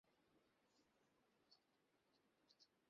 তার উল্লেখযোগ্য বই গুলির মধ্যে পদার্থবিদ্যার মজার কথা খুবই পরিচিত।